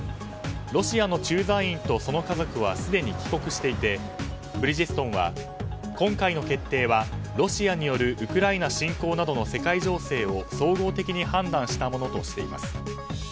ロシアの駐在員とその家族はすでに帰国していてブリヂストンは今回の決定はロシアによるウクライナ侵攻などの世界情勢を総合的に判断したものとしています。